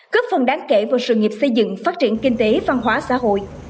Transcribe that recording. góp phần đáng kể vào sự nghiệp xây dựng phát triển kinh tế văn hóa xã hội